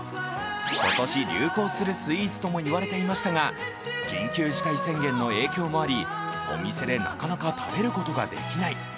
今年流行するスイーツともいわれていましたが緊急事態宣言の影響もあり、お店でなかなか食べることができない。